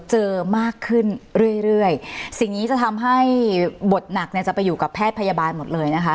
เจอมากขึ้นเรื่อยเรื่อยสิ่งนี้จะทำให้บทหนักเนี่ยจะไปอยู่กับแพทย์พยาบาลหมดเลยนะคะ